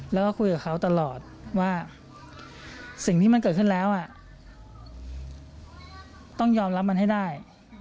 แล้วก็คุยกับเขาตลอดว่าสิ่งที่มันเกิดขึ้นแล้วต้องยอมรับมันให้ได้